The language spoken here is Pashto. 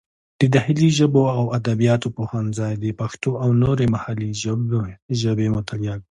د داخلي ژبو او ادبیاتو پوهنځی د پښتو او نورې محلي ژبې مطالعه کوي.